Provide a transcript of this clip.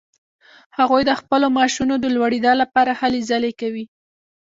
هغوی د خپلو معاشونو د لوړیدا لپاره هلې ځلې کوي.